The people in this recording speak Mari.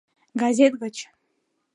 Газет гыч